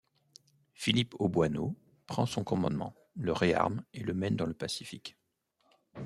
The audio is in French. Philippe Auboyneau prend son commandement, le réarme et le mène dans le Pacifique.